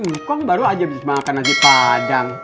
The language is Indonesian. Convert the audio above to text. ngkong baru aja bisa makan lagi padang